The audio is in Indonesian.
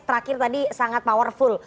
terakhir tadi sangat powerful